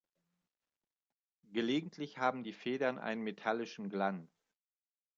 Gelegentlich haben die Federn einen metallischen Glanz.